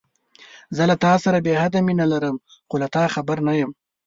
زه له تاسره بې حده مينه لرم، خو له تا خبر نه يم.